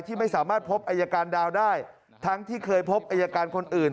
ที่ไม่สามารถพบอายการดาวได้ทั้งที่เคยพบอายการคนอื่น